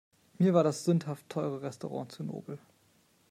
Mir war das sündhaft teure Restaurant zu nobel.